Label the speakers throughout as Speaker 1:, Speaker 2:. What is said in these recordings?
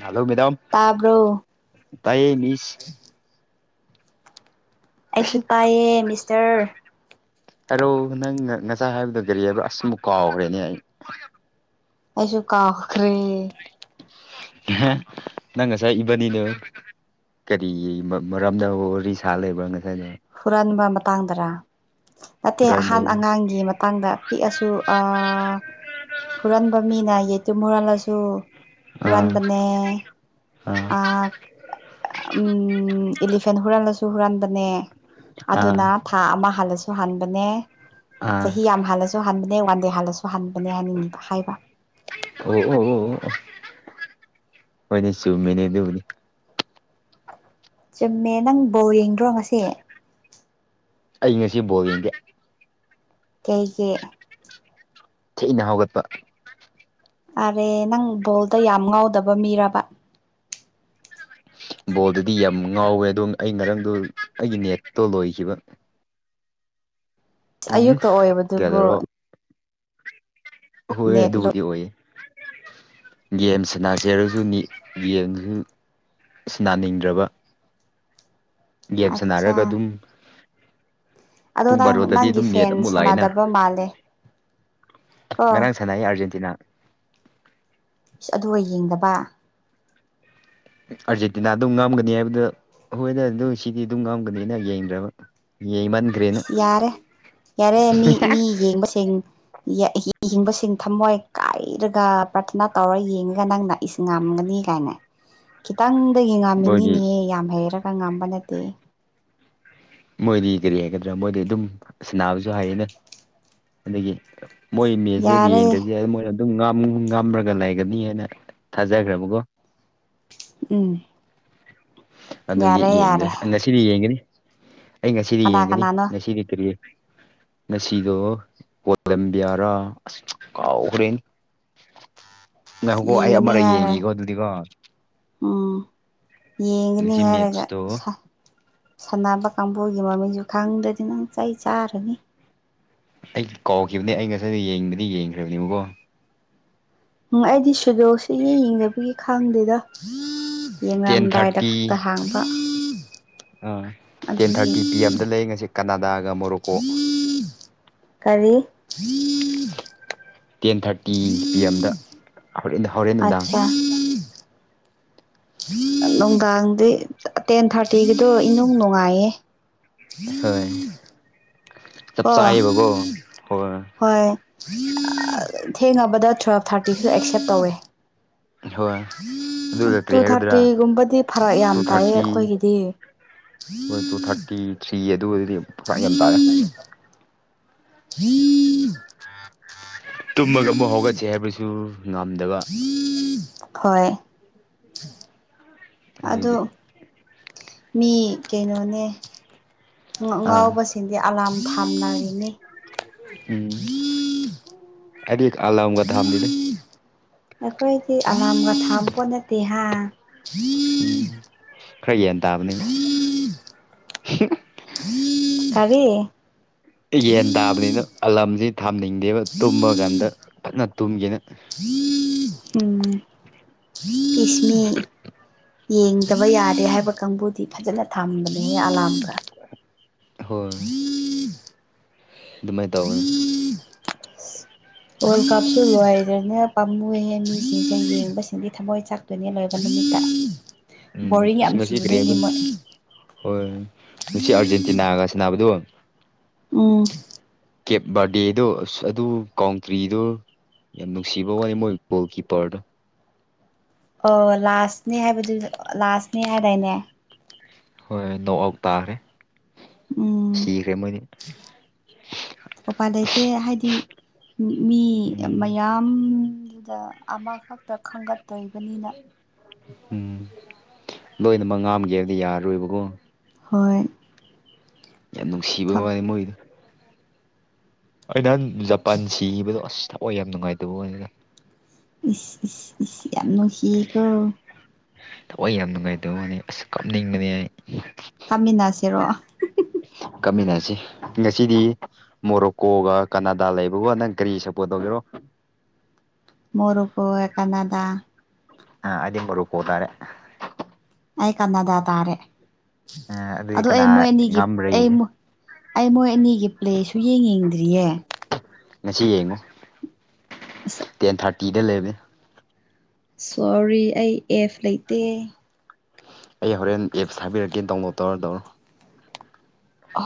Speaker 1: Hello madam
Speaker 2: ꯇꯥꯕ꯭ꯔꯣ
Speaker 1: ꯇꯥꯏꯌꯦ ꯃꯤꯁ꯫
Speaker 2: ꯑꯩꯁꯨ ꯄꯥꯏꯌꯦ ꯃꯤꯁꯇꯔ
Speaker 1: ꯍꯂꯣ ꯅꯪ ꯉꯁꯥꯏ ꯍꯥꯏꯕꯗ ꯒꯥꯔꯤ ꯍꯥꯏꯕ ꯑꯁꯃꯨꯛ ꯀꯥꯎꯈ꯭ꯔꯦꯅꯦ ꯑꯩ
Speaker 2: ꯑꯩꯁꯨ ꯀꯥꯈ꯭ꯔꯦ
Speaker 1: ꯅꯒꯁꯥꯏ ꯏꯕꯅꯤ ꯂꯩ ꯀꯔꯤ ꯃꯔꯝꯗ ꯋꯥꯔꯤ ꯁꯥ ꯂꯩꯕꯣ ꯉꯁꯥꯏ
Speaker 2: ꯍꯨꯔꯥꯟꯕ ꯃꯇꯥꯡꯗꯔ ꯅꯠꯇꯦ
Speaker 1: ꯍꯨꯔꯥꯟꯕ
Speaker 2: ꯑꯍꯟ ꯑꯉꯥꯡꯒꯤ ꯃꯇꯥꯡꯗ ꯄꯤꯛꯑꯁꯨ ꯍꯨꯔꯟꯕ ꯃꯤꯅ ꯌꯦꯇꯨꯝ ꯃꯨꯔꯜꯂꯁꯨ
Speaker 1: ꯑꯥ
Speaker 2: ꯐꯨꯔꯟꯕꯅꯦ
Speaker 1: ꯑꯥ
Speaker 2: ꯑ ꯎꯝ ꯏꯂꯤꯐꯦꯟ ꯍꯨꯔꯜꯂꯁꯨ ꯍꯨꯔꯥꯟꯕꯅꯦ
Speaker 1: ꯑꯥ
Speaker 2: ꯑꯗꯨꯅ ꯊꯥ ꯑꯃ ꯍꯜꯂꯁꯨ ꯍꯥꯟꯕꯅꯦ
Speaker 1: ꯑꯥ
Speaker 2: ꯆꯍꯤ ꯌꯥꯝ ꯍꯜꯂꯁꯨ ꯍꯥꯟꯕꯅꯦ ꯋꯥꯟ ꯗꯦ ꯍꯜꯂꯁꯨ ꯍꯥꯟꯕꯅꯦ ꯍꯥꯏꯅꯤꯡꯉꯤꯕ ꯍꯥꯏꯕ
Speaker 1: ꯑꯣ ꯑꯣ ꯑꯣ ꯍꯣꯏꯅꯦ ꯆꯨꯝꯃꯤꯅꯦ ꯑꯗꯨꯧꯅꯤ
Speaker 2: ꯆꯨꯝꯃꯦ ꯅꯪ ꯕꯣꯔ ꯌꯦꯡꯗ꯭ꯔꯣ ꯉꯁꯤ
Speaker 1: ꯑꯩ ꯉ ꯁꯤꯕꯣ ꯌꯦꯒꯦ
Speaker 2: ꯀꯩꯀꯦ
Speaker 1: ꯊꯤꯅ ꯍꯧꯒꯠꯄ
Speaker 2: ꯑꯔꯦ ꯅꯪ ꯕꯣꯜꯗ ꯌꯥꯝ ꯉꯥꯎꯗꯕ ꯃꯤꯔꯕ
Speaker 1: ꯕꯣꯜꯗꯨꯗꯤ ꯌꯥꯝ ꯉꯥꯎꯋꯦ ꯑꯗꯣ ꯑꯩ ꯉꯔꯪꯗ ꯑꯩꯒꯤ ꯅꯦꯠꯇꯣ ꯂꯣꯏꯈꯤꯕ ꯄꯨꯡ
Speaker 2: ꯑꯌꯨꯛꯇ ꯑꯣꯏꯕꯗꯨꯕꯨ
Speaker 1: ꯀꯌꯥꯗꯔꯣ ꯍꯣꯏ ꯑ
Speaker 2: ꯅꯦꯠ ꯂꯣ
Speaker 1: ꯑꯗꯨꯕꯨꯗꯤꯤ ꯑꯣꯏꯣꯏ ꯒꯦꯝꯁ ꯅꯥ ꯆꯦꯔꯁꯨ ꯒꯦꯝꯁꯨ ꯑ ꯅꯥꯅꯤꯡꯗ꯭ꯔꯕ ꯒꯦꯝ ꯁꯥꯟꯅꯔꯒ
Speaker 2: ꯑꯠꯆꯥ
Speaker 1: ꯑꯗꯨꯝ
Speaker 2: ꯑꯗꯣ
Speaker 1: ꯄꯨꯡ
Speaker 2: ꯅꯪ
Speaker 1: ꯕꯥꯔꯣꯗꯗꯤ
Speaker 2: ꯅꯪꯒꯤ
Speaker 1: ꯑꯗꯨꯝ ꯅꯦꯠ
Speaker 2: ꯐꯦꯟ
Speaker 1: ꯑꯃꯨꯛ ꯂꯥꯛꯑꯦꯅ
Speaker 2: ꯁꯥꯟꯅꯗꯕ ꯃꯥꯜꯂꯦ ꯀꯣ
Speaker 1: ꯉꯔꯥꯡ ꯁꯥꯟꯅꯩ ꯑꯥꯔꯖꯦꯟꯇꯤꯅꯥ
Speaker 2: ꯁ ꯑꯗꯨꯒ ꯌꯦꯡꯗꯕ
Speaker 1: ꯑꯥꯔꯖꯦꯟꯇꯤꯅꯥ ꯑꯗꯨꯝ ꯉꯝꯒꯅꯤ ꯍꯥꯏꯕꯗ ꯍꯣꯏꯗ ꯑꯗꯨꯝ ꯁꯤꯗꯤ ꯑꯗꯨꯝ ꯉꯥꯝꯒꯅꯤꯅ ꯌꯦꯡꯗ꯭ꯔꯕ ꯌꯦꯡꯃꯟꯈ꯭ꯔꯦꯅ
Speaker 2: ꯏꯁ ꯌꯥꯔꯦ ꯌꯥꯔꯦ ꯃꯤ ꯃꯤ ꯌꯦꯡꯕ ꯁꯦꯡ ꯏꯤꯡꯕꯁꯤꯡ ꯊꯝꯃꯣꯏ ꯀꯥꯏꯔꯒ ꯄ꯭ꯔꯊꯅꯥ ꯇꯧꯔ ꯌꯦꯡꯉꯒ ꯅꯪꯅꯏꯁꯤ ꯉꯥꯝꯒꯅꯤ ꯀꯥꯏꯅ ꯈꯤꯇꯪꯗꯒꯤ
Speaker 1: ꯃꯣꯏꯒꯤ
Speaker 2: ꯉꯥꯝꯃꯤꯅꯤꯅꯦꯍꯦ ꯌꯥꯝ ꯍꯩꯔꯒ ꯉꯝꯕ ꯅꯠꯇꯦ
Speaker 1: ꯃꯣꯏꯗꯤ ꯀꯔꯤ ꯍꯥꯏꯒꯗ꯭ꯔꯥ ꯃꯣꯏꯗꯤ ꯑꯗꯨꯝ ꯁꯅꯥꯕꯁꯨ ꯍꯥꯏꯌꯦꯅ ꯑꯗꯒꯤ ꯃꯣꯏ ꯃꯦꯁꯦ
Speaker 2: ꯌꯥꯔꯦ
Speaker 1: ꯃꯗꯦ ꯃꯣꯏꯅ ꯑꯗꯨꯝ ꯉꯃ꯭ꯔꯒ ꯂꯩꯒꯅꯤ ꯍꯥꯏꯅ ꯊꯥꯖꯈ꯭ꯔꯕꯀꯣ
Speaker 2: ꯎꯝ
Speaker 1: ꯑꯗꯨꯒꯤ
Speaker 2: ꯌꯥꯔꯦ
Speaker 1: ꯌꯦꯡꯗꯦ
Speaker 2: ꯌꯥꯔꯦ
Speaker 1: ꯉꯁꯤꯗꯤ ꯌꯦꯡꯒꯅꯤ ꯑꯩ ꯉꯁꯤꯗꯤ
Speaker 2: ꯀꯅꯥ
Speaker 1: ꯌꯦꯡꯒꯅꯤ
Speaker 2: ꯀꯅꯥꯅꯣ
Speaker 1: ꯉꯁꯤꯗꯤ ꯀꯨꯔꯤꯌꯦ ꯉꯁꯤꯗꯣ ꯀꯂꯝꯕꯤꯌꯥꯔꯥ ꯑꯁꯨ ꯀꯥꯎꯈ꯭ꯔꯦꯟ ꯅꯍꯨꯀꯣ ꯑꯩ
Speaker 2: ꯌꯦꯡꯒꯅꯤ
Speaker 1: ꯑꯃꯔꯛ
Speaker 2: ꯍꯥꯏꯔ
Speaker 1: ꯌꯦꯡꯉꯦꯀꯣ ꯑꯗꯨꯗꯤꯀꯣ
Speaker 2: ꯎꯝ ꯌꯦꯡꯒꯅꯤ
Speaker 1: ꯉꯁꯤ
Speaker 2: ꯍꯥꯏꯔꯒ
Speaker 1: ꯃꯦꯠꯁꯇꯣ
Speaker 2: ꯁꯥꯟꯅꯕ ꯀꯥꯡꯕꯨꯒꯤ ꯃꯃꯤꯡꯁꯨ ꯈꯪꯗ꯭ꯔꯗꯤ ꯅꯪ ꯆꯩ ꯆꯥꯔꯅꯤ
Speaker 1: ꯑꯩ ꯀꯥꯎꯈꯤꯕꯅꯦ ꯑꯩ ꯉꯁꯥꯏꯗ ꯌꯦꯡꯕꯗꯤ ꯌꯦꯡꯈ꯭ꯔꯕꯅꯦꯕꯀꯣ
Speaker 2: ꯎꯝ ꯑꯩꯗꯤ ꯁꯨꯗꯣꯛꯁꯤ ꯌꯦꯡ ꯌꯦꯡꯗꯕꯒꯤ ꯈꯪꯗꯦꯗ
Speaker 1: ꯇꯦꯟ
Speaker 2: ꯌꯦꯡꯉꯝꯗꯥꯏꯗ
Speaker 1: ꯊꯥꯔꯇꯤ
Speaker 2: ꯈꯛꯇ ꯍꯥꯡꯕ
Speaker 1: ꯑꯥ ꯇꯦꯟ
Speaker 2: ꯑꯗꯨꯒꯤ
Speaker 1: ꯊꯥꯔꯇꯤ ꯄꯤ ꯑꯦꯝꯗ ꯂꯩ ꯉꯁꯤ ꯀꯅꯥꯗꯥꯒ ꯃꯣꯔꯣꯛꯀꯣ
Speaker 2: ꯀꯔꯤ
Speaker 1: ꯇꯦꯟ ꯊꯥꯔꯇꯤ ꯄꯤ ꯑꯦꯝꯗ ꯑꯔ ꯏꯗ ꯍꯥꯎꯔꯔꯤꯦꯟ ꯅꯨꯅꯨꯡꯗꯥꯡ
Speaker 2: ꯑꯠꯆꯥ ꯅꯨꯡꯗꯥꯡꯗꯤ ꯇꯦꯟ ꯊꯥꯔꯇꯤꯒꯤꯗꯣ ꯏꯅꯨꯡ ꯅꯨꯡꯉꯥꯏꯌꯦ
Speaker 1: ꯍꯣꯏ
Speaker 2: [unintelligible]
Speaker 1: ꯆꯞ
Speaker 2: ꯀꯑꯣ
Speaker 1: ꯆꯥꯏꯌꯦꯕꯀꯣ ꯍꯣꯏ
Speaker 2: ꯍꯣꯏ ꯊꯦꯡꯅꯕꯗ ꯇꯨꯋꯦꯜꯞ ꯊꯥꯔꯇꯤꯁꯨ ꯑꯦꯛꯁꯦꯞ ꯇꯧꯋꯦ
Speaker 1: ꯍꯣꯏ ꯑꯗꯨꯒ
Speaker 2: ꯇꯨ
Speaker 1: ꯀꯔꯤ ꯍꯥꯏꯒꯗ꯭ꯔꯥ
Speaker 2: ꯊꯥꯔꯇꯤꯒꯨꯝꯕꯗꯤ ꯐꯔꯛ ꯌꯥꯝ
Speaker 1: ꯇꯨ
Speaker 2: ꯇꯥꯏꯌꯦ
Speaker 1: ꯊꯥꯔꯇꯤ
Speaker 2: ꯑꯩꯈꯣꯏꯒꯤꯗꯤ
Speaker 1: ꯍꯣꯏ ꯇꯨ ꯊꯥꯔꯇꯤ ꯊ꯭ꯔꯤ ꯑꯗꯨ ꯑꯣꯏꯗꯤ ꯄꯨꯔꯥ ꯌꯥꯝ ꯇꯥꯔꯦ
Speaker 2: [unintelligible]
Speaker 1: [unintelligible] ꯇꯨꯝꯃꯒ ꯑꯃꯨꯛ ꯍꯧꯒꯠꯁꯦ ꯍꯥꯏꯕꯁꯨ ꯉꯝꯗꯕ
Speaker 2: [unintelligible] ꯍꯣꯏ ꯑꯗꯣ
Speaker 1: ꯑꯗꯨꯒꯤ
Speaker 2: ꯃꯤ ꯀꯩꯅꯣꯅꯦ ꯉ
Speaker 1: ꯑꯥ
Speaker 2: ꯉꯥꯎꯕꯁꯤꯡꯗꯤ ꯑꯂꯥꯝ ꯐꯥꯝꯅꯔꯤꯅꯤ ꯍꯝ [unintelligible]
Speaker 1: ꯑꯔ ꯑꯒꯗꯍ
Speaker 2: ꯑꯩꯈꯣꯏꯗꯤ ꯑꯂꯥꯝꯒ ꯊꯥ ꯄꯣꯠ ꯅꯠꯇꯦ ꯍꯥꯏ
Speaker 1: ꯎꯝ ꯈꯩꯌꯦꯟ
Speaker 2: [unintelligible]
Speaker 1: ꯍ [unintelligible]
Speaker 2: [unintelligible] ꯀꯔꯤ
Speaker 1: ꯌꯦꯟ ꯇꯥꯕꯅꯤꯅ ꯑꯂꯝꯁꯤ ꯊꯥꯝꯅꯤꯡꯗꯦꯕ ꯇꯨꯝꯕ ꯀꯥꯟꯗ ꯐꯖꯅ ꯇꯨꯝꯒꯦꯅ
Speaker 2: ꯎꯝ ꯏꯁꯤꯁꯃꯤ ꯌꯦꯡꯗꯕ ꯌꯥꯔꯦ ꯍꯥꯏꯕ ꯀꯥꯡꯕꯨꯗꯤ ꯐꯖꯅ ꯊꯝꯕꯅꯤ
Speaker 1: ꯍꯣꯏ ꯑꯗꯨꯃꯥꯏꯅ ꯇꯧ [unintelligible]
Speaker 2: ꯋꯥꯔꯜ ꯀꯞꯇ ꯂꯣꯏꯗꯅ ꯄꯥꯝꯃꯨꯍꯦ ꯃꯤꯁꯤꯡꯁꯦ ꯌꯦꯡꯕꯁꯤꯡꯗꯤ ꯊꯃꯣꯏ ꯆꯥꯛꯇꯣꯏꯅꯦ ꯂꯣꯏꯕꯅꯤ
Speaker 1: ꯎꯝ
Speaker 2: ꯕꯣꯔꯤꯡ ꯌꯥꯝ
Speaker 1: ꯑꯁ ꯉꯁꯤ ꯀꯔꯤ
Speaker 2: ꯆꯨꯗꯣꯏꯅꯦ
Speaker 1: ꯍꯥꯏꯕ
Speaker 2: ꯃꯣꯏ
Speaker 1: ꯍꯣꯏ ꯉꯁꯤ ꯑꯥꯔꯖꯦꯟꯇꯤꯅꯥꯒ ꯁꯅꯕꯗꯣ
Speaker 2: ꯑꯣ
Speaker 1: ꯀꯦꯞ ꯕꯥꯔꯗꯦꯗꯣ ꯑꯁ ꯑꯗꯨ ꯀꯥꯎꯟꯇ꯭ꯔꯤꯗꯣ ꯌꯥꯝ ꯅꯨꯡꯁꯤꯕ ꯋꯥꯅꯤ ꯃꯣꯏ ꯒꯣꯜ ꯀꯤꯞꯄꯔꯗ
Speaker 2: ꯑꯣ ꯂꯥꯁꯅꯦ ꯍꯥꯏꯕꯗꯨ ꯂꯥꯁꯅꯦ ꯍꯥꯏꯗꯥꯏꯅꯦ
Speaker 1: ꯍꯣꯏꯣꯏ ꯅꯣꯛ ꯑꯥꯎ ꯇꯥꯈ꯭ꯔꯦ
Speaker 2: ꯎꯝ
Speaker 1: ꯁꯤꯈ꯭ꯔꯦ ꯃꯣꯏꯅꯤ
Speaker 2: ꯎꯄ ꯂꯩꯇꯦ ꯍꯥꯏꯗꯤ ꯃꯤ
Speaker 1: ꯎꯝ
Speaker 2: ꯃꯌꯥꯝ ꯑꯗꯨꯗ ꯑꯃꯈꯛꯇ ꯈꯟꯒꯠꯇꯣꯏꯕꯅꯤꯅ
Speaker 1: ꯎꯝ ꯂꯣꯏꯅꯃꯛ ꯉꯥꯝꯒꯦꯕꯗꯤ ꯌꯥꯔꯔꯣꯏꯕꯀꯣ
Speaker 2: ꯍꯣꯏ
Speaker 1: ꯌꯥꯝ ꯅꯨꯡꯁꯤꯕ ꯋꯥꯅꯤ ꯃꯣꯏꯗꯣ ꯑꯩ ꯅꯍꯥꯟ ꯖꯄꯥꯟ ꯁꯤꯕꯗꯣ ꯑꯁ ꯊꯛꯑꯣꯏ ꯌꯥꯝ ꯅꯨꯡꯉꯥꯏꯇꯕ ꯑꯣꯏꯅꯤꯅ
Speaker 2: ꯏꯁꯤ ꯌꯥꯝ ꯅꯨꯁꯤꯀ
Speaker 1: ꯍ ꯍꯏ ꯌꯥꯝ ꯅꯨꯡꯉꯥꯏꯇꯕꯅꯤ ꯑꯁ ꯀꯞꯅꯤꯡꯕꯅꯦ
Speaker 2: ꯀꯥꯃꯤꯅꯥꯁꯤꯔꯣ
Speaker 1: ꯀꯥꯃꯤꯟꯅꯁꯤ ꯉꯁꯤꯗꯤ ꯃꯣꯔꯣꯛꯀꯣꯒ ꯀꯅꯥꯗꯥ ꯂꯩꯕꯒ ꯅꯪ ꯒ꯭ꯔꯤꯁ ꯄꯣ ꯇꯧꯒꯦꯔꯣ
Speaker 2: [unintelligible] ꯨꯈꯀꯗꯥ
Speaker 1: ꯑ ꯑꯗꯤ ꯃꯣꯔꯣꯀꯣ ꯇꯥꯔꯦ
Speaker 2: ꯑꯩ ꯀꯅꯥꯗꯥ ꯇꯥꯔꯦ
Speaker 1: ꯑꯥ ꯑꯗꯨꯗꯤ
Speaker 2: ꯑꯗꯨ ꯑꯩ ꯃꯣꯏ
Speaker 1: ꯀꯅꯥ
Speaker 2: ꯑꯅꯤꯒꯤ
Speaker 1: ꯉꯝꯕ꯭ꯔꯥ
Speaker 2: ꯑꯩ
Speaker 1: ꯌꯦꯡꯒꯦ
Speaker 2: ꯑꯩ ꯃꯣꯏ ꯑꯅꯤꯒꯤ ꯄ꯭ꯂꯦꯁꯨ ꯌꯦꯡꯅꯤꯡꯗ꯭ꯔꯤꯌꯦ
Speaker 1: ꯉꯁꯤ ꯌꯦꯡꯉꯨ
Speaker 2: ꯑꯁ
Speaker 1: ꯇꯦꯟ ꯊꯥꯔꯇꯤꯗ ꯂꯩꯕꯅꯦ
Speaker 2: ꯁꯣꯔꯤ ꯑꯩ ꯑꯦꯐ ꯂꯩꯇꯦ
Speaker 1: ꯑꯩ ꯍꯣꯔꯦꯟ ꯑꯦꯞꯁ ꯍꯥꯏꯕꯤꯔꯛꯀꯦ ꯗꯥꯎꯟꯂꯣꯗ ꯇꯧꯔ ꯇꯧꯔꯣ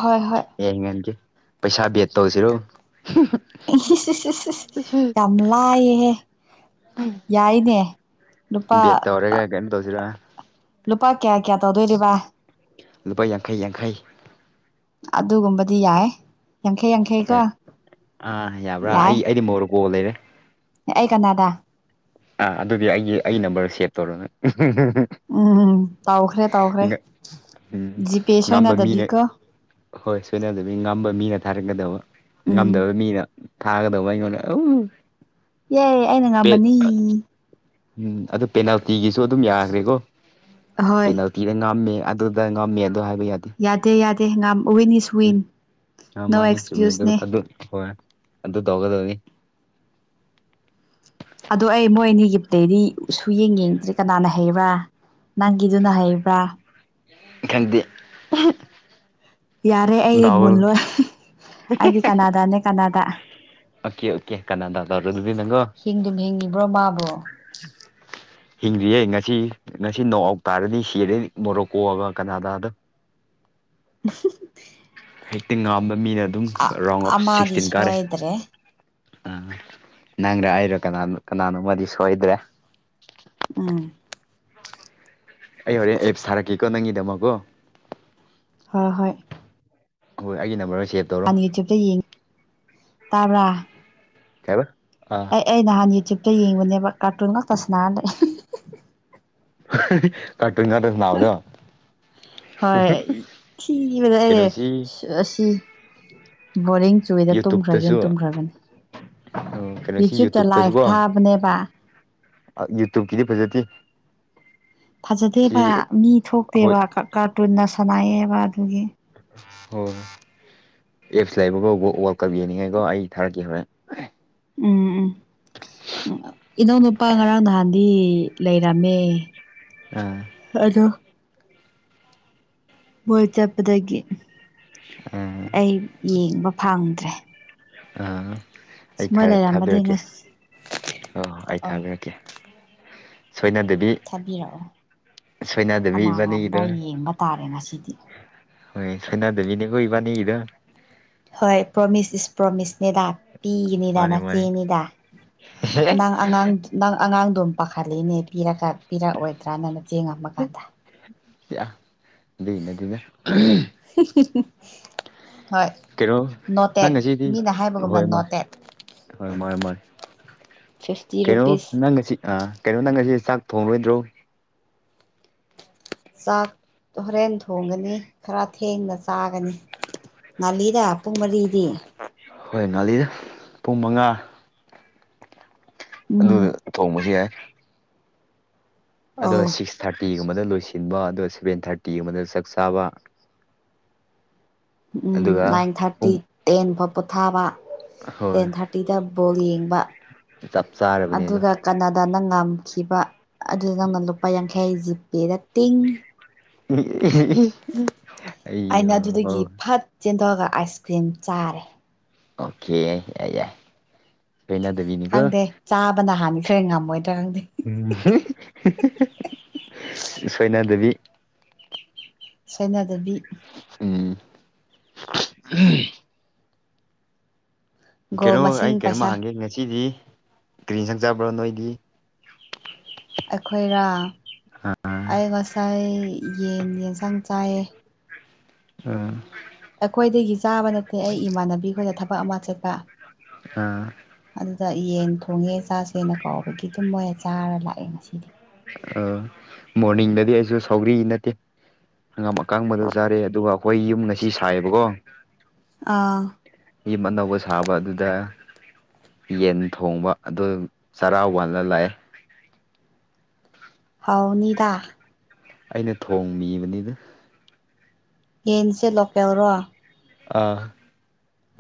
Speaker 2: ꯍꯣꯏ ꯍꯣꯏ
Speaker 1: ꯌꯥꯏ ꯉꯟꯒꯦ ꯄꯩꯁꯥ ꯕꯦꯠ ꯇꯧꯁꯤꯔꯣ
Speaker 2: ꯌꯥꯝ ꯂꯥꯏꯌꯦꯍꯦ ꯌꯥꯏꯅꯦ ꯂꯨꯄꯥ
Speaker 1: ꯕꯠꯇꯧꯔꯦꯒ ꯀꯩꯅꯣ ꯇꯧꯁꯤꯔ
Speaker 2: ꯂꯨꯄꯥ ꯀꯌꯥ ꯀꯌꯥ ꯇꯧꯗꯣꯏꯔꯤꯕ
Speaker 1: ꯂꯨꯄꯥ ꯌꯥꯡꯈꯩ ꯌꯥꯡꯈꯩ
Speaker 2: ꯑꯗꯨꯒꯨꯝꯕꯗꯤ ꯌꯥꯏ ꯌꯥꯡꯈꯩ
Speaker 1: ꯌꯥ
Speaker 2: ꯌꯥꯡꯈꯩꯀꯣ
Speaker 1: ꯑꯥ ꯌꯥꯕ꯭ꯔꯥ
Speaker 2: ꯌꯥꯏ
Speaker 1: ꯑꯩ ꯑꯩꯗꯤ ꯃꯣꯔꯣꯛꯀꯣ ꯂꯩꯔꯦ
Speaker 2: ꯑꯩ ꯀꯅꯥꯗꯥ
Speaker 1: ꯑꯥ ꯑꯗꯨꯗꯤ ꯑꯩꯒꯤ ꯑꯩ ꯅꯝꯕꯔ ꯁꯦꯚ ꯇꯧꯔꯅꯦ
Speaker 2: ꯎꯝ ꯎꯝ ꯇꯧꯈ꯭ꯔꯦ
Speaker 1: ꯏ
Speaker 2: ꯇꯧꯈ꯭ꯔꯦ
Speaker 1: ꯎꯝ
Speaker 2: ꯖꯤꯄꯦ
Speaker 1: ꯉꯝꯕ ꯃꯤꯅ
Speaker 2: ꯁꯣꯏꯅꯗꯕꯤꯀꯣ
Speaker 1: ꯍꯣꯏ ꯁꯣꯏꯅ ꯑꯗꯨ ꯃꯤ ꯉꯝꯕ ꯃꯤ ꯅꯠꯇ ꯊꯥꯔꯛꯀꯗꯧꯕ
Speaker 2: ꯎꯝ
Speaker 1: ꯉꯝꯗꯕ ꯃꯤꯅ ꯊꯥꯒꯗꯧꯕ ꯑꯩꯉꯣꯟꯗ ꯑ
Speaker 2: ꯌꯥꯏ ꯑꯩꯅ ꯉꯝꯕꯅꯤ
Speaker 1: ꯎꯝ ꯑꯗꯨ ꯄꯦꯅꯥꯜꯇꯤꯒꯤꯁꯨ ꯑꯗꯨꯝ ꯌꯥꯈ꯭ꯔꯦꯀꯣ
Speaker 2: ꯑꯍꯣꯏ
Speaker 1: ꯄꯦꯅꯥꯜꯇꯤꯗ ꯉꯥꯝꯃꯦ ꯑꯗꯨꯗ ꯉꯝꯃꯤ ꯑꯗꯨ ꯍꯥꯏ
Speaker 2: ꯌꯥꯗꯦ ꯌꯥꯗꯦ ꯉꯝ
Speaker 1: ꯎꯝ ꯃꯥꯅꯤ ꯆꯨꯝꯃꯦ
Speaker 2: ꯑꯦꯛꯁꯀ꯭ꯌꯨꯁꯅꯦ
Speaker 1: ꯑꯗꯨꯒ ꯑꯗꯨ ꯍꯣꯏ ꯑꯗꯨꯗꯨ ꯇꯧꯒꯗꯅꯤ
Speaker 2: ꯑꯗꯣ ꯑꯩ ꯃꯣꯏ ꯑꯅꯤꯒꯤꯞꯇꯗꯤ ꯁꯨꯌꯦꯡ ꯌꯦꯡꯗ꯭꯭ꯔꯔꯤ ꯀꯅꯥꯅ ꯍꯩꯕ꯭ꯔꯥ ꯅꯪꯒꯤꯗꯨꯅ ꯍꯩꯕ꯭ꯔꯥ
Speaker 1: ꯈꯪꯗꯦ
Speaker 2: ꯌꯥꯔꯦ ꯑꯩ
Speaker 1: ꯗꯥꯎ
Speaker 2: ꯃꯨꯜꯂꯣꯏ ꯑꯩꯗꯤ ꯀꯅꯥꯗꯅꯦ ꯀꯅꯥꯗ
Speaker 1: ꯑꯣꯀꯦ ꯑꯣꯀꯦ ꯀꯅꯥꯗ ꯇꯧꯔ ꯑꯗꯨꯗꯤ ꯅꯉꯣ
Speaker 2: ꯍꯤꯡꯗꯨꯝ ꯍꯤꯡꯉꯤꯕ꯭ꯔꯣ ꯃꯥꯕꯨ
Speaker 1: [inaudible] ꯍꯤꯡꯗ꯭ꯔꯤꯌꯦ ꯉꯁꯤ ꯉꯁꯤ ꯅꯣꯡ ꯑꯥꯎ ꯇꯥꯔꯗꯤ ꯁꯤꯔꯦ ꯃꯣꯔꯣꯛꯀꯣꯑꯒ ꯀꯅꯥꯗꯥꯗ
Speaker 2: [inaudible]
Speaker 1: ꯐꯤꯞꯇꯤꯡ ꯉꯥꯝꯕ ꯃꯤꯅ ꯑꯗꯨꯝ ꯔꯥꯎꯟ ꯑꯣꯐ
Speaker 2: ꯑꯃꯗꯤ
Speaker 1: ꯁꯤꯛꯁꯇꯤꯟ ꯀꯥꯔꯦ
Speaker 2: ꯁꯣꯏꯗ꯭ꯔꯦ
Speaker 1: ꯑ ꯅꯪꯗ ꯑꯩꯔꯣ ꯀꯅꯥꯅꯣ ꯀꯅꯥꯅꯣꯃꯗꯤ ꯁꯣꯏꯗ꯭ꯔꯦ
Speaker 2: ꯎꯝ
Speaker 1: ꯑꯩ ꯍꯣꯔꯦꯟ ꯑꯦꯞꯁ ꯊꯥꯔꯛꯀꯦꯀꯣ ꯅꯪꯒꯤꯗꯃꯛꯀꯣ
Speaker 2: ꯍꫭ ꯍꯣꯏ
Speaker 1: ꯍꯣꯏ ꯑꯩꯒꯤ ꯅꯝꯕꯔ
Speaker 2: ꯍꯥꯟ ꯌꯨꯇ꯭ꯌꯨꯕꯇ ꯌꯦꯡꯉꯤ ꯇꯥꯕ꯭ꯔꯥ
Speaker 1: ꯀꯩꯕ ꯑꯥ
Speaker 2: ꯑꯩ ꯑꯩ ꯅꯍꯥꯟ ꯌꯨꯇ꯭ꯌꯨꯕꯇ ꯌꯦꯡꯕꯅꯦꯕ ꯀꯥꯔꯇꯨꯟ ꯉꯛꯇ ꯁꯥꯟꯅꯔ ꯂꯩ
Speaker 1: [unintelligible] ꯀꯥꫪꯇꯨꯟ ꯉꯛꯇ ꯁꯟꯅꯥꯕꯗꯣ
Speaker 2: ꯍꯣꯏ ꯊꯤꯕꯗ ꯑꯩ
Speaker 1: ꯀꯩꯅꯣꯁꯤ
Speaker 2: ꯑꯁꯤ ꯕꯣꯔꯤꯡ ꯆꯨꯏꯗ
Speaker 1: ꯌꯨꯇꯨꯞꯇꯁꯨ
Speaker 2: ꯇꯨꯝꯈ꯭ꯔꯒꯦꯅ ꯇꯨꯝꯈ꯭ꯔꯕꯅꯤ
Speaker 1: ꯀꯩꯅꯣꯁꯤ
Speaker 2: ꯌꯨꯇ꯭ꯌꯕꯇ ꯂꯥꯏꯚ ꯊꯥꯕꯅꯦꯕ
Speaker 1: ꯌꯨꯇꯨꯕ ꯀꯤꯗꯤ ꯐꯖꯗꯦ ꯁꯤ
Speaker 2: ꯐꯖꯗꯦꯕ ꯃꯤ
Speaker 1: ꯍꯣꯏ
Speaker 2: ꯊꯣꯛꯇꯦꯕ ꯀꯥꯔꯇꯨꯟꯅ ꯁꯅꯥꯏꯑꯦꯕ ꯑꯗꯨꯒꯤ
Speaker 1: ꯍꯣꯏ ꯑꯦꯞꯁ ꯂꯩꯕ ꯀꫭ ꯋꯥꯜ ꯀꯞ ꯌꯦꯡꯅꯤꯉꯥꯏꯀꯣ ꯑꯩ ꯊꯥꯔꯛꯀꯦ ꯍꯣꯔꯦꯟ
Speaker 2: ꯎꯝ ꯎꯝ ꯎꯝ ꯏꯅꯧ ꯅꯨꯄꯥ ꯉꯔꯥꯡ ꯅꯍꯥꯟꯗꯤ ꯂꯩꯔꯝꯃꯦ
Speaker 1: ꯑꯥ
Speaker 2: ꯑꯗꫭ ꯃꯣꯏ ꯆꯠꯄꯗꯒꯤ
Speaker 1: ꯑꯥ
Speaker 2: ꯑꯩ ꯌꯦꯡꯕ ꯐꯪꯗ꯭ꯔꯦ
Speaker 1: ꯑ
Speaker 2: ꯁ
Speaker 1: ꯑꯩ
Speaker 2: ꯃꯣꯏ
Speaker 1: ꯊꯥꯔ
Speaker 2: ꯂꯩꯔꯝꯃꯗꯤ
Speaker 1: ꯊꯥꯕꯤꯔꯛꯀꯦ
Speaker 2: ꯉꯁꯤ
Speaker 1: ꯑꫭ ꯑꯩ
Speaker 2: ꯑꯧ
Speaker 1: ꯊꯥꯕꯤꯔꯛꯀꯦ ꯁꯣꯏꯅꯥ ꯗꯦꯕꯤ
Speaker 2: ꯊꯥꯕꯤꯔꯛꯑꯣ ꯀꯅꯥ ꯉꯝꯕ꯭ꯔ ꯌꯦꯡꯕ ꯇꯥꯔꯦ ꯉꯁꯤꯗꯤ
Speaker 1: ꯍꯣꯏ ꯁꯣꯏꯅꯗꯕꯤꯅꯤꯒꯣ ꯏꯕꯅꯤ
Speaker 2: ꯍꯣꯏ ꯄ꯭ꯔꯣꯃꯤꯁ ꯏꯁ ꯄ꯭ꯔꯣꯃꯤꯁ ꯅꯦꯗꯥ ꯄꯤꯒꯅꯤꯗ
Speaker 1: ꯃꯥꯅꯤ ꯃꯥꯅꯤ
Speaker 2: ꯅꯆꯦꯅꯤꯗ ꯅꯪ ꯑꯉꯥꯡ ꯅꯪ ꯑꯉꯥꯡꯗꯨꯝ ꯄꯥꯈꯠꯂꯤꯅꯦ ꯄꯤꯔ ꯄꯤꯔꯛꯑꯣꯏꯗ꯭ꯔꯥꯅꯅ ꯆꯦꯡꯉꯝꯃ ꯀꯥꯟꯗ
Speaker 1: ꯁꯤ ꯑ ꯑꯗꯨꯅꯗꯤꯅꯦ
Speaker 2: [inaudible] ꯍꯣꯏ
Speaker 1: ꯀꯩꯅꯣ ꯅꯪ
Speaker 2: ꯅꯣꯇꯦꯠ
Speaker 1: ꯉꯁꯤꯗꯤ
Speaker 2: ꯃꯤꯅ ꯍꯥꯏꯕꯒꯨꯝꯅ
Speaker 1: ꯍꯣꯏ ꯃꯥ
Speaker 2: ꯅꯣꯇꯦꯠ
Speaker 1: ꯍꯣꯏ ꯃꯥꯅꯦ ꯃꯥꯅꯦ
Speaker 2: ꯐꯤꯐꯇꯤ
Speaker 1: ꯀꯩꯅꯣ
Speaker 2: ꯔꯨꯄꯤꯁ
Speaker 1: ꯅꯪ ꯉꯁꯤ ꯑ ꯀꯩꯅꯣ ꯅꯪ ꯉꯁꯤ ꯆꯥꯛ ꯊꯣꯡꯔꯣꯏꯗ꯭ꯔꯣ
Speaker 2: ꯆꯥꯛ ꯍꯣꯔꯦꯟ ꯊꯣꯡꯒꯅꯤ ꯈꯔ ꯊꯦꯡꯅ ꯆꯥꯒꯅꯤ ꯅꯜ ꯏꯗ ꯑꯄꯨꯡ ꯃꯔꯤ ꯏ
Speaker 1: ꯍꯣꯏ ꯅꯥꯂꯤꯗ ꯄꯨꯡ ꯃꯉꯥ ꯑꯗꯨ
Speaker 2: ꯎꯝ
Speaker 1: ꯊꯣꯡꯕꯁꯨ ꯌꯥꯏ ꯑꯗꯨꯒ
Speaker 2: ꯑꯧ
Speaker 1: ꯁꯤꯛꯁ ꯊꯥꯔꯇꯤꯒꯨꯝꯕꯗ ꯂꯣꯏꯁꯤꯟꯕ ꯑꯗ ꯁꯚꯦꯟ ꯊꯥꯔꯇꯤꯒꯨꯝꯕꯗ ꯆꯥꯛ ꯆꯥꯕ
Speaker 2: ꯎꯝ
Speaker 1: ꯑꯗꯨꯒ
Speaker 2: ꯅꯥꯏꯟ ꯊꯥꯔꯇꯤ
Speaker 1: ꯄꯨꯡ
Speaker 2: ꯇꯦꯟ ꯐꯥꯎ ꯄꯣꯊꯥꯕ
Speaker 1: ꯍꯣꯏ
Speaker 2: ꯇꯦꯟ ꯊꯥꯔꯇꯤꯗ ꯕꯣꯜ ꯌꯦꯡꯕ
Speaker 1: ꯆꯞ ꯆꯥꯔꯕꯅꯦ ꯑꯗꯣ
Speaker 2: ꯑꯗꯨꯒ ꯀꯅꯥꯗꯥꯅ ꯉꯝ ꯈꯤꯕ ꯑꯗꯨꯗ ꯅꯪꯅ ꯂꯨꯄꯥ ꯌꯥꯡꯈꯩ ꯖꯤꯄꯦꯗ ꯇꯤꯡ
Speaker 1: [inaudible]
Speaker 2: ꯑꯩꯅ ꯑꯗꯨꯗꯒꯤ
Speaker 1: ꯍꯣꯏ
Speaker 2: ꯐꯠ ꯆꯦꯟꯊꯣꯛꯑꯒ ꯑꯥꯏꯁ ꯀ꯭ꯔꯤꯝ ꯆꯥꯔꯦ
Speaker 1: ꯑꯣꯀꯦ ꯌꯥꯏ ꯁꯣꯏꯅꯗꯕꯤꯅꯤꯀꯣ
Speaker 2: ꯈꯪꯗꯦ ꯆꯥꯕꯅ ꯍꯥꯟꯅꯤ ꯈ꯭ꯔꯦ ꯉꯝꯃꯣꯏꯅꯦ
Speaker 1: ꯎꯝ ꯁꯣꯏꯅꯥꯗꯕꯤ
Speaker 2: ꯁꯥꯏꯅꯥ ꯗꯦꯕꯤ
Speaker 1: ꯎꯝ
Speaker 2: ꯒꯣꯜ
Speaker 1: ꯀꯩꯅꯣ ꯑꯩ
Speaker 2: ꯃꯁꯤꯡ
Speaker 1: ꯀꯔꯤꯝ
Speaker 2: ꯄꯩꯁꯥ
Speaker 1: ꯍꯥꯡꯒꯦ ꯉꯁꯤꯗꯤ ꯀꯔꯤ ꯁꯪꯆꯕ꯭ꯔꯣ ꯅꯣꯏꯗꯤ
Speaker 2: ꯑꯩꯈꯣꯏꯔꯥ ꯑꯩ ꯉꯁꯥꯏ ꯌꯦꯟ ꯌꯦꯟꯁꯥꯡ ꯆꯥꯏꯌꯦ
Speaker 1: ꯑꯥ
Speaker 2: ꯑꯩꯈꯣꯏꯗꯒꯤ ꯆꯥꯕ ꯅꯠꯇꯦ ꯑꯩ ꯏꯃꯥꯟꯅꯕꯤꯈꯣꯏꯅ ꯊꯕꯛ ꯑꯃ ꯆꯠꯄ
Speaker 1: ꯑꯥ
Speaker 2: ꯑꯗꯨꯗ ꯌꯦꯟ ꯊꯣꯡꯉꯦ ꯆꯥꯛ ꯁꯦꯅ ꯀꯥꯎꯕꯒꯤ ꯇꯨꯝ ꯃꯣꯏ ꯆꯥꯔ ꯂꯥꯛꯑꯦ ꯉꯁꯤꯗꯤ
Speaker 1: ꯑ ꯃꯣꯔꯅꯤꯡꯗꯗꯤ ꯑꯩꯁꯨ ꯁꯥꯎꯔꯤ ꯅꯠꯇꯦ ꯍꯪꯒꯥꯝ ꯑꯀꯥꯡꯕꯗꯣ ꯆꯥꯔꯦ ꯑꯗꯨꯒ ꯑꯩꯈꯣꯏ ꯌꯨꯝ ꯉꯁꯤ ꯁꯥꯏꯌꯦꯕꯀꯣ
Speaker 2: ꯑꯥ
Speaker 1: ꯌꯦ ꯑꯅꯧꯕ ꯁꯥꯕ ꯑꯗꯨꯗ ꯌꯦꯟ ꯊꯣꯡꯕ ꯑꯗꯨ ꯆꯥꯔꯥ ꯋꯥꯜꯂ ꯂꯥꯛꯑꯦ
Speaker 2: ꯍꯥꯎꯅꯤꯗꯥ
Speaker 1: ꯑꯩꯅ ꯊꯣꯡꯃꯤꯕꯅꯤꯗ
Speaker 2: ꯌꯦꯟꯁꯦ ꯂꯣꯀꯦꯜꯔꯣ
Speaker 1: ꯑꯥ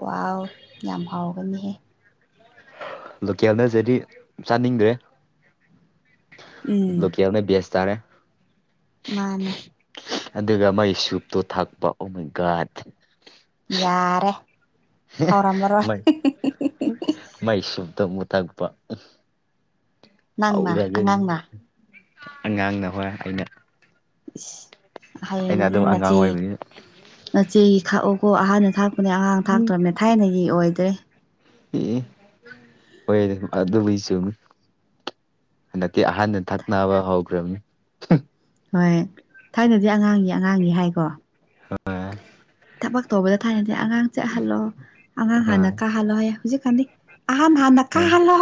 Speaker 2: ꯋꯥꯎ ꯌꯥꯝ ꯍꯥꯎꯒꯅꯤꯍꯦ
Speaker 1: ꯂꯣꯀꯦꯜꯅꯁꯦꯗꯤ ꯆꯥꯅꯤꯡꯗ꯭ꯔꯦ
Speaker 2: ꯎꯝ
Speaker 1: ꯂ ꯀꯅꯦꯁ ꯇꯔꯦ
Speaker 2: ꯃꯥꯅꯦ
Speaker 1: ꯑꯗꯨꯒ ꯃꯩ ꯆꯨꯞꯇꯣ ꯊꯥꯛꯄ ꯑꯃꯣꯏ ꯒꯥꯗ
Speaker 2: ꯌꯥꯔꯦ ꯍꯥꯎꯔꯝꯃꯔꯣꯏ
Speaker 1: ꯃꯩ ꯃꯥꯏ ꯁꯨꯞꯇ ꯑꯃꯨ ꯊꯥꯛꯄ
Speaker 2: ꯅꯪꯅ
Speaker 1: ꯎꯔꯒꯅꯤ
Speaker 2: ꯑꯉꯥꯡꯅ
Speaker 1: ꯑꯉꯥꯡꯅ ꯍꯣꯏ ꯑꯩꯅ ꯑꯩꯅ
Speaker 2: ꯍꯌꯦꯡꯗꯤ
Speaker 1: ꯑꯗꯨꯝ ꯑꯉꯥꯡ
Speaker 2: ꯅꯆꯦ
Speaker 1: ꯑꯣꯏꯕꯅꯤꯅ
Speaker 2: ꯅꯆꯦ ꯈꯥꯛꯑꯣꯀꯣ ꯑꯍꯥꯟꯕꯗ ꯊꯥꯛ ꯑꯩꯈꯅ ꯑꯉꯥꯡ ꯊꯥꯛꯇ꯭ꯔꯕꯅꯦ ꯊꯥꯏꯅꯒꯤ ꯑꯣꯏꯗ꯭ꯔꯦ
Speaker 1: ꯑꯦ ꯑꯣꯏ ꯑ ꯑꯗꯨ ꯆ ꯍꯟꯗꯛꯇꯤ ꯑꯍꯥꯟꯕ ꯊꯛꯅꯕ ꯍꯧꯈ꯭ꯔꯕꯅꯤ
Speaker 2: ꯍꯣꯏ ꯊꯥꯏꯅꯗꯤ ꯑꯉꯥꯡꯒꯤ ꯑꯉꯥꯡꯒꯤ ꯍꯥꯏꯀꯣ
Speaker 1: ꯑ
Speaker 2: ꯊꯕꯛ ꯇꯧꯕꯗ ꯊꯥꯏꯅꯁꯦ ꯑꯉꯥꯡ ꯆꯠꯍꯜꯂꯣ ꯑꯉꯥꯡ ꯍꯥꯟꯅ
Speaker 1: ꯍꯣꯏ
Speaker 2: ꯀꯥꯍꯜꯂꯣ ꯍꯥꯏꯌꯦ ꯍꯧꯖꯤꯛꯀꯥꯟꯗꯤ ꯑꯍꯟ ꯍꯟꯅꯥ ꯀꯥꯜꯂꯣ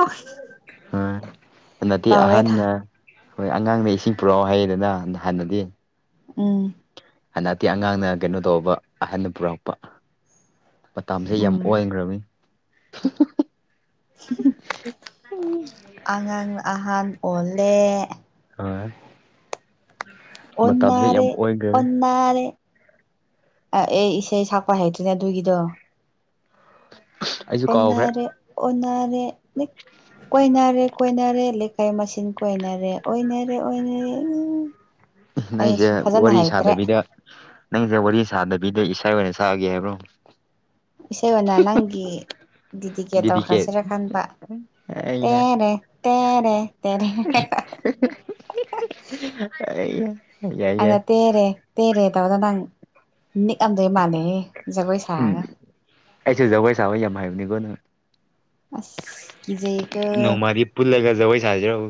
Speaker 1: ꯑꯇꯤ ꯑꯍꯟ ꯍꯣꯏ ꯑꯉꯥꯡꯗ ꯏꯁꯤꯡ ꯄꯨꯔꯛꯑꯣ ꯍꯥꯏꯩꯌꯦꯗꯅ ꯍꯥꯟꯅꯗꯤ
Speaker 2: ꯎꯝ
Speaker 1: ꯍꯟꯗꯛꯇꯤ ꯑꯉꯥꯡꯅ ꯀꯩꯅꯣ ꯇꯧꯕꯧꯕ ꯑꯍꯟꯅ ꯄꯨꯔꯛꯄ ꯄꯝꯁꯦ ꯌꯥꯝ
Speaker 2: ꯎꯝ
Speaker 1: ꯑꯣꯟꯈ꯭ꯔꯕꯅꯤ
Speaker 2: ꯑꯉꯥꯡꯅ ꯑꯍꯥꯟ ꯑꯣꯜꯂꯦ
Speaker 1: ꯍꯣꯏ ꯃꯇꯝꯁꯦ ꯌꯥꯝ
Speaker 2: ꯑꯣꯟꯅꯔꯦ
Speaker 1: ꯑꯣꯏꯈ꯭ꯔꯕꯅꯤ
Speaker 2: ꯑꯣꯟꯅꯔꯦ ꯑꯩ ꯏꯁꯩ ꯁꯛꯄ ꯍꯦꯛꯇ꯭ꯅꯦ ꯑꯗꯨꯒꯤꯗꯣ
Speaker 1: ꯑꯩꯁꯨ ꯀꯥꯎꯈ꯭ꯔꯦ
Speaker 2: ꯑꯣꯟꯅꯥꯔꯦ ꯑꯣꯟꯅꯥꯔꯦ ꯀꯣꯏꯅꯔꯦ ꯀꯣꯏꯅꯔꯦ ꯂꯩꯀꯥꯏ ꯃꯁꯤꯡ ꯀꯣꯏꯅꯔꯦ ꯑꯣꯏꯅꯔꯦ ꯑꯣꯏꯅꯔꯦ ꯎ
Speaker 1: ꯅꯪꯁꯦ ꯋꯥꯔꯤ ꯁꯥꯗꯕꯤꯗ ꯅꯪꯁꯦ ꯋꯥꯔꯤ ꯁꯥꯗꯕꯤꯗ ꯇꯅ ꯁꯥꯒꯦ ꯍꯥꯏꯕ꯭ꯔꯣ
Speaker 2: ꯏꯁꯩ ꯑꯣꯏꯅ ꯅꯪꯒꯤ ꯗꯤ ꯇꯤꯀꯦ
Speaker 1: ꯗꯤꯗꯤꯀꯦꯠ
Speaker 2: ꯇꯧꯈ꯭ꯔꯁꯤꯔ ꯈꯟꯕ
Speaker 1: ꯑꯩꯌꯥ
Speaker 2: ꯇꯦꯔ ꯇꯔ ꯇꯦꯔ
Speaker 1: ꯑꯩ
Speaker 2: ꯑꯩꯅ ꯇꯦꯔꯦ ꯇꯦꯔꯦ ꯇꯧꯕꯗ ꯅꯪ ꯅꯤꯛꯑꯝꯗꯣꯏ ꯃꯥꯜꯂꯦ ꯑꯦ ꯖꯒꯣꯏ
Speaker 1: ꯎꯝ
Speaker 2: ꯁꯥꯔꯒ
Speaker 1: ꯑꯩꯁꯨ ꯖꯒꯣꯏ ꯁꯥꯕ ꯌꯥꯝ ꯍꯥꯏꯕꯅꯤꯀꯣ ꯅꯪ
Speaker 2: ꯑꯁ ꯀꯤꯖꯩꯀꯣ
Speaker 1: ꯅꯣꯡꯃꯗꯤ ꯄꯨꯜꯂꯒ ꯖꯒꯣꯏ ꯁꯥꯖꯔꯛꯎ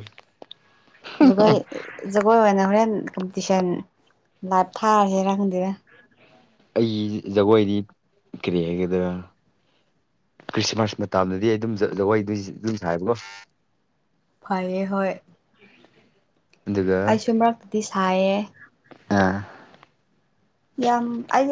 Speaker 2: ꯒ ꯖꯒꯅ ꯍꯔ ꯀꯝꯄꯤꯇꯤꯁꯟ ꯂꯥꯏ ꯊꯥꯔ ꯍꯦꯔ ꯈꯟꯗꯦꯔ
Speaker 1: ꯑꯩꯒꯤ ꯖꯒꯣꯏꯗꯤ ꯀꯔꯤ ꯍꯥꯏꯒꯗ꯭ꯔꯥ ꯈ꯭ꯔꯤꯁꯃꯥꯁ ꯃꯇꯝꯗꯗꯤ ꯑꯩ ꯑꯗꯨꯝ ꯑꯗꯨꯝ ꯁꯕꯀꯣ
Speaker 2: ꯐꯔꯦ ꯍꯣꯏ
Speaker 1: ꯑꯗꯨꯒ
Speaker 2: ꯑꯩꯁꯨ ꯃꯔꯛꯇꯗꯤ ꯁꯥꯏꯌꯦ
Speaker 1: ꯑ
Speaker 2: ꯌꯥꯝ